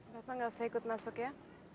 bapak menganggap saya ikut masuk ya